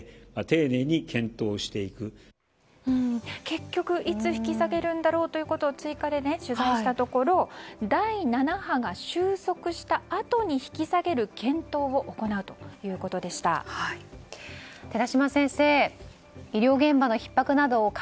結局、いつ引き下げるんだろうということを追加で取材したところ、第７波が収束したあとに引き下げる検討を行うということでした。